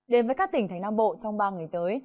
đến với các tỉnh thành nam bộ trong ba ngày tới